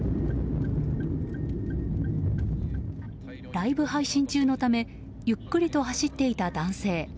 ライブ配信中のためゆっくりと走っていた男性。